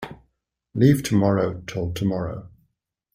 Leave tomorrow till tomorrow.